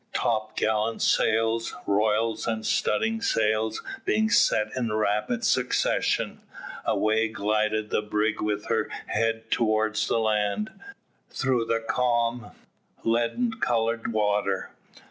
Topgallant sails, royals, and studding sails being set in rapid succession, away glided the brig with her head towards the land, through the calm, leaden coloured water.